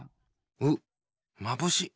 うっまぶしい。